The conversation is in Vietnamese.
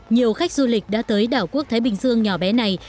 nhiều khách du lịch đã tới đảo quốc thái bình dương nhỏ bé này